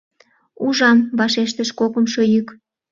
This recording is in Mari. — Ужам, — вашештыш кокымшо йӱк.